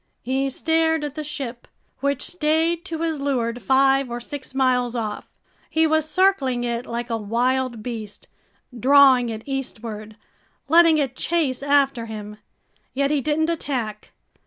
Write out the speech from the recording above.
He stared at the ship, which stayed to his leeward five or six miles off. He was circling it like a wild beast, drawing it eastward, letting it chase after him. Yet he didn't attack.